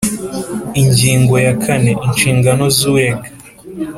Ingingo ya kane Inshingano z urega